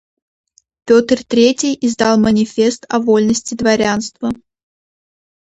Пётр Третий издал Манифест о вольности дворянства.